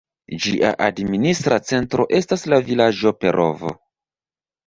Ĝia administra centro estas la vilaĝo Perovo.